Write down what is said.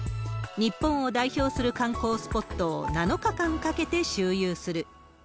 日本を代表する観光スポットを７日間かけて周遊する。